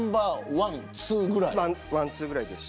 ワンツーぐらいです。